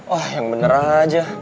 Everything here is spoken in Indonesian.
wah yang bener aja